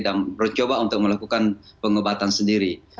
dan mencoba untuk melakukan pengobatan sendiri